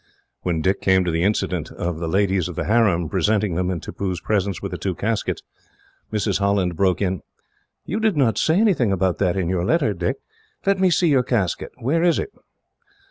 When Dick came to the incident of the ladies of the harem presenting them, in Tippoo's presence, with the two caskets, Mrs. Holland broke in: "You did not say anything about that in your letter, Dick. Let me see your casket. Where is it?"